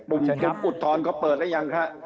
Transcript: ปุ่มอุทธรณ์เขาเปิดแล้วยังคะ